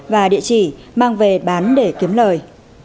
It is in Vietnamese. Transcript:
và địa chỉ mang về bán để kiếm lời